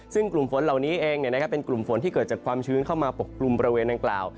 ซึ่งกลุ่มฝนเหล่านี้เองเป็นกลุ่มฝนที่เกิดจากความชื้นเข้ามาปกกลุ่มบริเวณดังกล่าว